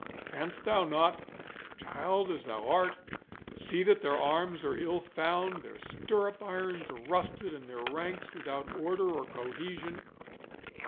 Canst thou not, child as thou art, see that their arms are ill found, their stirrup irons rusted, and their ranks without order or cohesion?